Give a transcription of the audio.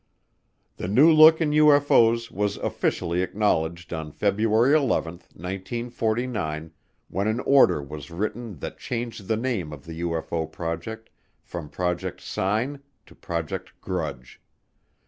The new look in UFO's was officially acknowledged on February 11, 1949, when an order was written that changed the name of the UFO project from Project Sign to Project Grudge.